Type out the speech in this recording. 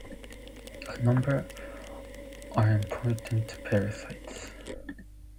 A number are important parasites.